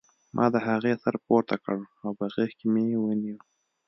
ما د هغې سر پورته کړ او په غېږ کې مې ونیو